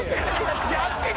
やってた！